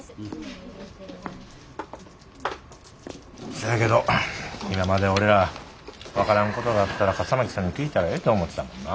せやけど今まで俺ら分からんことがあったら笠巻さんに聞いたらええと思ってたもんな。